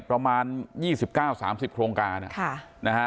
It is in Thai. ประมาณยี่สิบเก้าสามสิบโครงการอ่ะค่ะนะฮะ